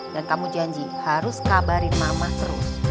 dan kamu janji harus kabarin mama terus